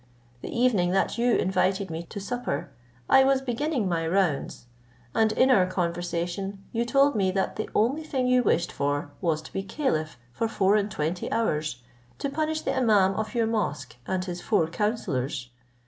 The evening that you invited me to supper, I was beginning my rounds, and in our conversation you told me, that the only thing you wished for was to be caliph for four and twenty hours, to punish the imaum of your mosque and his four counsellors.